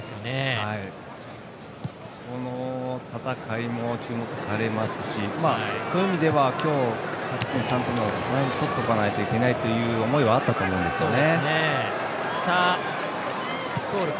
そこの戦いも注目されますしそういう意味では今日、勝ち点３を取っとかないといけないという思いはあったと思うんですね。